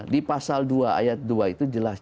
di pasal dua ayat dua itu jelas